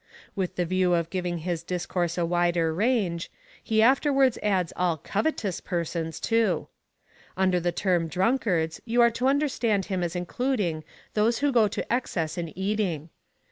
With the view of giving his discourse a wider range, he afterwards adds all covetous persons too. Under the term drunkards you are to under stand him as including those who go to excess in eating.